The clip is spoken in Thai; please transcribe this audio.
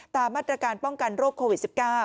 ตามมาตรการป้องกันโรคโควิด๑๙